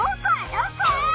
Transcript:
どこ？